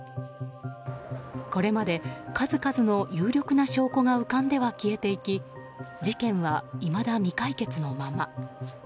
これまで数々の有力な証拠が浮かんでは消えていき事件は、いまだ未解決のまま。